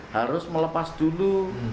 harus melepas dulu